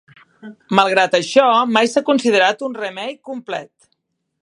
Malgrat això, mai s'ha considerat un remake complet.